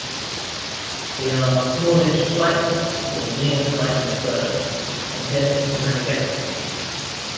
They are smallish flightless or near flightless birds endemic to Madagascar.